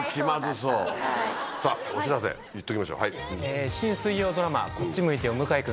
さぁお知らせいっときましょう。